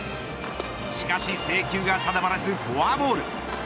しかし制球が定まらずフォアボール。